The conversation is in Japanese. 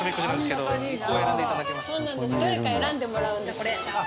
どれか選んでもらうんですあっ